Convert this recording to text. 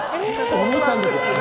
思ったんですよ。